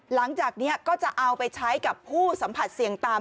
หลังจากนี้ก็จะเอาไปใช้กับผู้สัมผัสเสี่ยงต่ำ